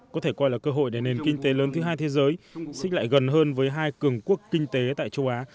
có thể coi là cơ hội để nền kinh tế lớn thứ hai thế giới xích lại gần hơn với hai cường quốc kinh tế tại châu á